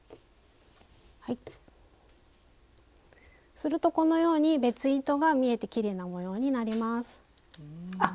するとこのように別糸が見えてきれいな模様になります。